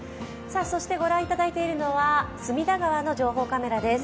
御覧いただいているのは、隅田川の情報カメラです。